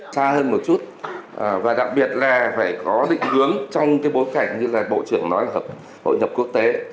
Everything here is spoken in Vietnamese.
xa hơn một chút và đặc biệt là phải có định hướng trong cái bối cảnh như là bộ trưởng nói là hội nhập quốc tế